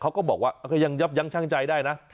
เขาก็บอกว่ายังช่างใจได้นะ